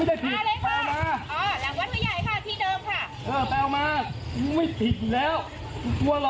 เด็กพี่ย่าอยู่หลังบ้านหลังบนตรวจ